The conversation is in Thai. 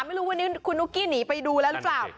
ไม่รู้วันนี้คุณนุ๊กกี้หนีไปดูแล้วหรือเปล่า